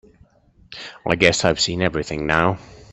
I guess I've seen everything now.